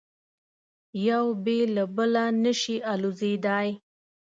یو بې له بله نه شي الوزېدای.